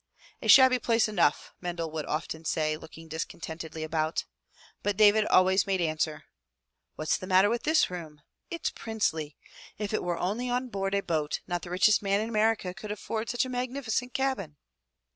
"A shabby place enough, Mendel would often say, looking discontentedly about. But David always made answer, "What's the matter with this room? It's princely. If it were only on board a boat not the richest man in America could afford such a magnificent cabin!